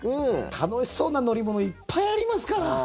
楽しそうな乗り物いっぱいありますから。